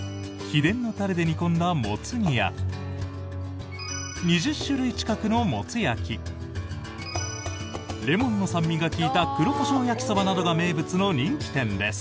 秘伝のタレで煮込んだもつ煮や２０種類近くのもつ焼きレモンの酸味が利いた黒胡椒焼そばなどが名物の人気店です。